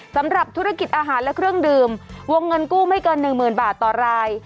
สำหรับธุรกิจอาหารและเครื่องดื่มวงเงินกู้ไม่เกิน๑๐๐๐บาทต่อราย